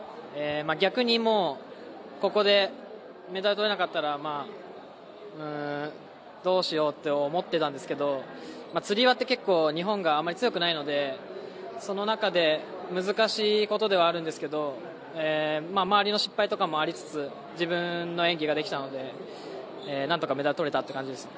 逆にもう、ここでメダルとれなかったらどうしようって思ってたんですけどつり輪って結構、日本があまり強くないので難しいことではあるんですけど周りの失敗とかもありつつ自分の演技ができたのでなんとか、メダルとれたって感じです。